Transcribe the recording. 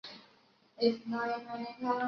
特点是口感干香酥脆。